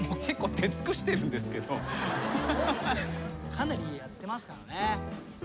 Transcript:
かなりやってますからね。